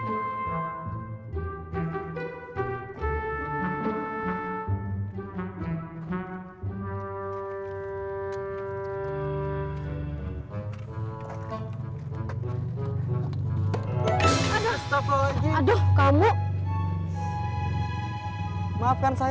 eh eh ngeledek lagi